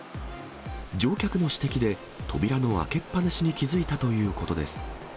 乗客の指摘で扉の開けっ放しに気付いたということです。